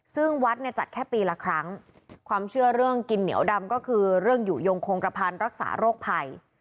ซึ่งวัดเนี่ยจัดแค่ปีละครั้งความเชื่อเรื่องกินเหนียวดำก็คือเรื่องอยู่ยงโครงกระพันธ์รักษาโรคภัย